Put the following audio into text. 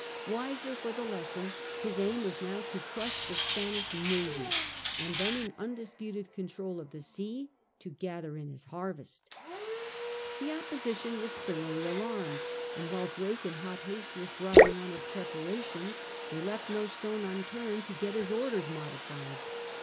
Wiser for the lesson, his aim was now to crush the Spanish navy, and then in undisputed control of the sea to gather in his harvest The opposition were thoroughly alarmed, and whHe Drake in hot haste was driving on his prepara tions, they left no stone unturned to get his orders modified.